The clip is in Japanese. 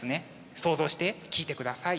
想像して聴いてください。